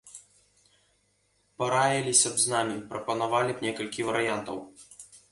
Параіліся б з намі, прапанавалі б некалькі варыянтаў.